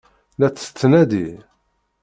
La t-tettnadi?